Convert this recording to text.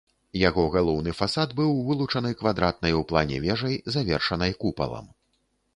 Яго галоўны фасад быў вылучаны квадратнай у плане вежай, завершанай купалам.